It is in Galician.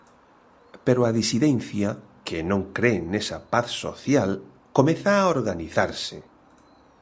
Pero a disidencia, que non cre nesa paz social, comeza a organizarse.